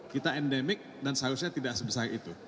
kita endemik dan seharusnya tidak sebesar itu